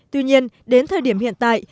tuy nhiên đến thời điểm hiện tại